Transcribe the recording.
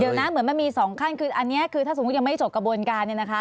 เดี๋ยวนะเหมือนมันมีสองขั้นคืออันนี้คือถ้าสมมุติยังไม่จบกระบวนการเนี่ยนะคะ